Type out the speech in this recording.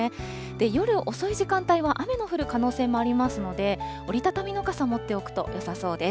夜遅い時間帯は、雨の降る可能性もありますので、折り畳みの傘、持っておくとよさそうです。